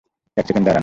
এক সেকেন্ড দাঁড়ান।